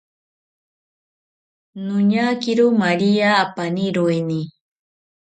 Noñakiro maria apaniroeni